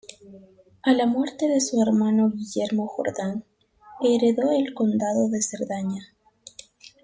A la muerte de su hermano Guillermo Jordán heredó el condado de Cerdaña.